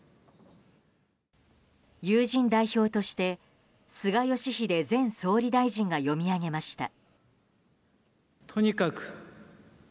友人代表として菅義偉前総理大臣が読み上げました。